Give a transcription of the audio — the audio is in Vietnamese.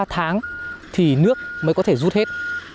ba tháng thì nước mới có thể rút hết